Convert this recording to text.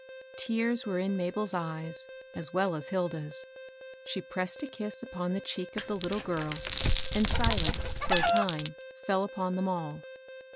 Tears were in Mabel's eyes, as well as Hilda's. She pressed a kiss upon the cheek of the little girl ; and silence, for a time, fell upon them all.